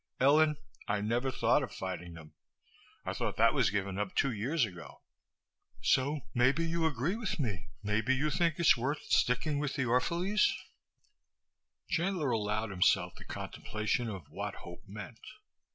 "Ellen, I never thought of fighting them. I thought that was given up two years ago." "So maybe you agree with me? Maybe you think it's worth while sticking with the Orphalese?" Chandler allowed himself the contemplation of what hope meant.